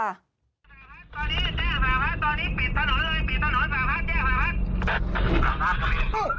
ตอนนี้แยกสถานที่ปิดถนนเลย